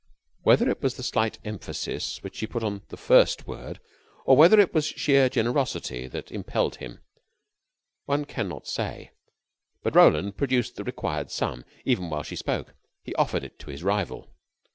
Whether it was the slight emphasis which she put on the first word, or whether it was sheer generosity that impelled him, one can not say; but Roland produced the required sum even while she spoke. He offered it to his rival.